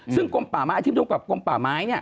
ซึ่งกลมป่าไม้อาทิตย์ภูมิกับกลมป่าไม้นี่